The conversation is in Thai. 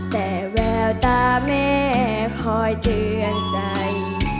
แต่แววตาแม่คอยเตือนใจ